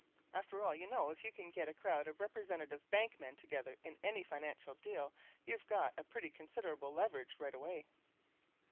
After all, you know, if you get a crowd of representative bank men together in any financial deal, you've got a pretty considerable leverage right away.